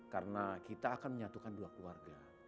karena kita akan menyatukan dua keluarga